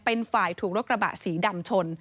เป็นฝ่ายถูกรถกระบะสีดำชน